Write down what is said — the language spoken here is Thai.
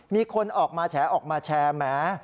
มีคนออกมาแฉออกมาแชร์แหม